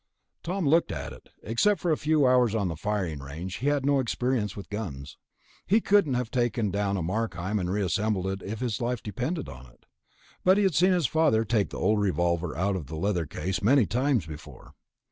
Tom looked at it. Except for a few hours on the firing range, he had had no experience with guns; he couldn't have taken down a Markheim and reassembled it if his life depended on it. But he had seen his father take the old revolver out of the leather case many times before.